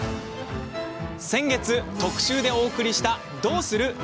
先月、特集でお送りしたどうする？